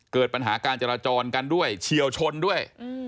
เกิดปัญหาการจราจรกันด้วยเฉียวชนด้วย